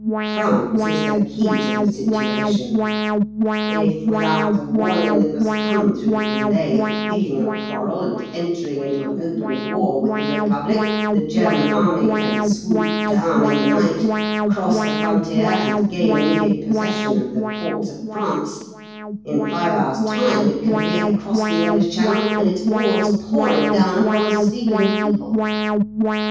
France is the key to the situation. If, without the warning that must come through the delay of picking a quarrel and entering into an open war with the Republic, the German army can swoop down in the night, cross the frontier, and gain immediate possession of the ports of France, in five hours' time it can be across the English Channel, and its hordes pouring down upon a sleeping people.